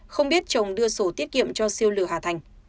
không biết chồng đưa sổ tiết kiệm cho siêu lừa hà thành